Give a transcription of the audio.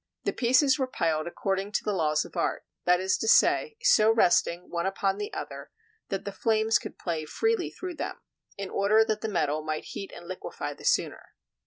The pieces were piled according to the laws of art; that is to say, so resting one upon the other that the flames could play freely through them, in order that the metal might heat and liquefy the sooner.